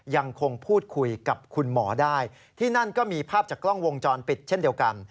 ยังคงพูดคุยกับคุณหมอได้ที่นั่นก็มีภาพจากกล้องวงจรปิดเช่นเดียวกัน